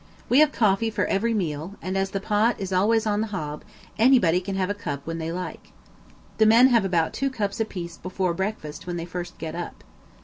We have coffee for every meal, and, as the pot is always on the hob, anybody can have a cup when they like. The men have about two cups apiece before breakfast when they first get up.